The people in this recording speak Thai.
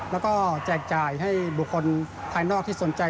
แล้วก็แจกจ่ายให้บุคคลภายนอกที่สนใจ